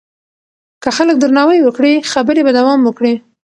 که خلک درناوی وکړي خبرې به دوام وکړي.